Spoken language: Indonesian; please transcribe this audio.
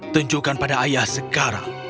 tunjukkan pada ayah sekarang